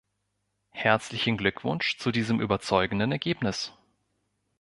Herzlichen Glückwunsch zu diesem überzeugenden Ergebnis!